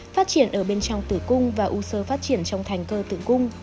phát triển ở bên trong tử cung và u sơ phát triển trong thành cơ tự cung